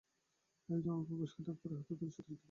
এক জন অল্পবয়স্ক ডাক্তারের হাত ধরে সত্যি-সত্যি কেঁদে ফেললেন।